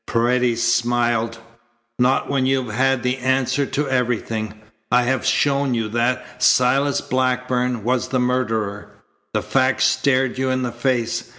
Paredes smiled. "Not when you've had the answer to everything? I have shown you that Silas Blackburn was the murderer. The fact stared you in the face.